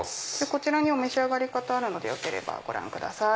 こちらにお召し上がり方あるのでよければご覧ください。